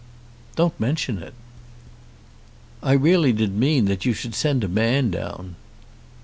"Don't mention it." "I really did mean that you should send a man down."